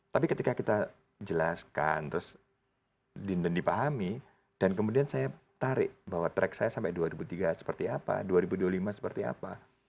tapi ketika kita jelaskan terus dipahami dan kemudian saya tarik bahwa track saya sampai dua ribu tiga seperti apa dua ribu dua puluh lima seperti apa